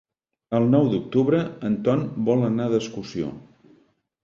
El nou d'octubre en Ton vol anar d'excursió.